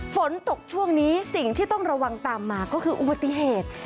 ฝนตกช่วงนี้สิ่งที่ต้องระวังตามมาก็คืออุบัติเหตุ